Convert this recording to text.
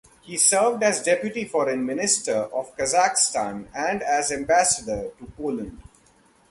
He served as Deputy Foreign Minister of Kazakhstan and as the Ambassador to Poland.